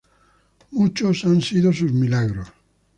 Muchos han sido sus milagros.